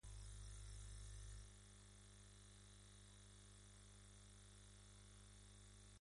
Se centró en una nueva versión, llamado esta vez Kurt Gerhardt.